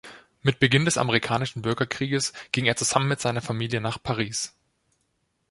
Mit Beginn des Amerikanischen Bürgerkrieges ging er zusammen mit seiner Familie nach Paris.